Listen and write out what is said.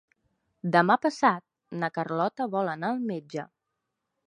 Demà passat na Carlota vol anar al metge.